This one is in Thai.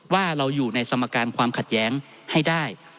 ว่าเราอยู่ในสมการความขัดแย้งให้ได้